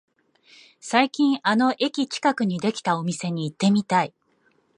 最近あの駅近くにできたお店に行ってみたい